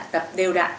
tập đều đạn